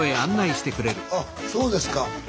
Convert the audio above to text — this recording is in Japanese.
あそうですか。